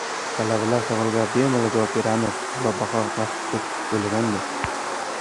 Talabalar savolga bemalol javob beramiz, aʼlo baho naqd deb oʻylagandi.